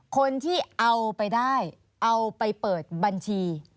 คนที่เอาไปได้เอาไปเปิดบัญชี